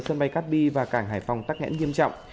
sân máy cắt đi và cảng hải phòng tắc nghẽn nghiêm trọng